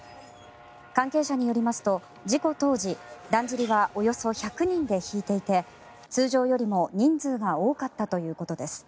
関係者によりますと事故当時、だんじりはおよそ１００人で引いていて通常よりも人数が多かったということです。